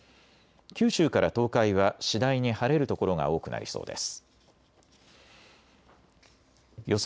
九州から東海は次第に晴れる所が多くなりそうです。